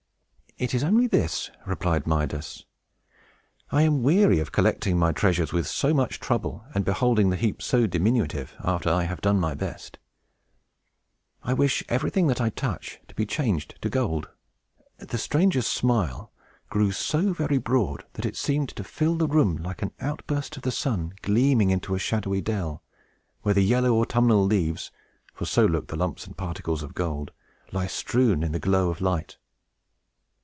"It is only this," replied Midas. "I am weary of collecting my treasures with so much trouble, and beholding the heap so diminutive, after I have done my best. I wish everything that I touch to be changed to gold!" The stranger's smile grew so very broad, that it seemed to fill the room like an outburst of the sun, gleaming into a shadowy dell, where the yellow autumnal leaves for so looked the lumps and particles of gold lie strewn in the glow of light.